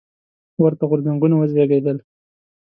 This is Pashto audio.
ورته غورځنګونه وزېږېدل.